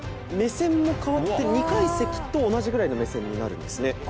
目線も変わって２階席と同じぐらいの目線になるんですね。